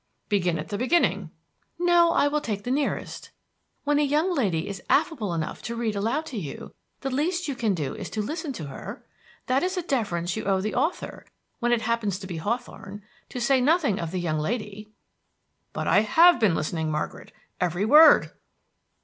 "Begin at the beginning." "No, I will take the nearest. When a young lady is affable enough to read aloud to you, the least you can do is to listen to her. That is a deference you owe to the author, when it happens to be Hawthorne, to say nothing of the young lady." "But I have been listening, Margaret. Every word!"